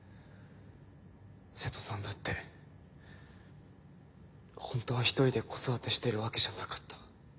瀬戸さんだってホントは１人で子育てしてるわけじゃなかった。